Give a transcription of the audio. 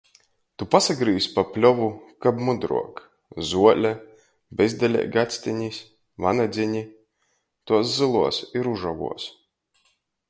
Tu pasagrīz pa pļovu, kab mudruok. Zuole, bezdeleigactenis, vanadzeni, tuos zyluos i ružovuos.